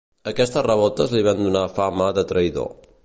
Aquestes revoltes li van donar fama de traïdor.